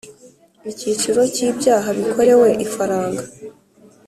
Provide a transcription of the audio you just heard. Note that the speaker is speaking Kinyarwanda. Icyiciro cya ibyaha bikorewe ifaranga